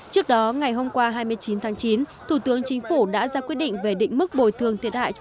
trước đó ngày hôm qua hai mươi chín tháng chín thủ tướng chính phủ đã ra quyết định về định mức bồi thường thiệt hại